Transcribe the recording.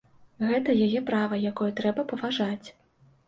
Гэта яе права, якое трэба паважаць.